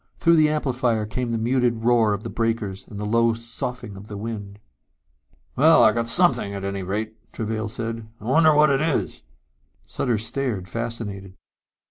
Through the amplifier came the muted roar of the breakers and the low soughing of the wind. "Well, we got something at any rate," Travail said. "I wonder what it is." Sutter stared, fascinated.